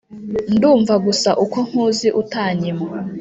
ndumva gusa uko nkuzi utanyima